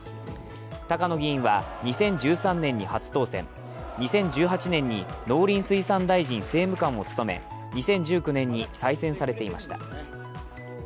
高野議員は２０１３年に初当選、２０１８年に農林水産大臣政務官を務め、２０１９年に再選されていました。